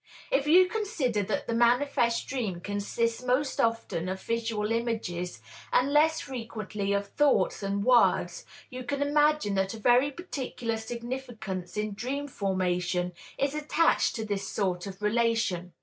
If you consider that the manifest dream consists most often of visual images, and less frequently of thoughts and words, you can imagine that a very particular significance in dream formation is attached to this sort of relation.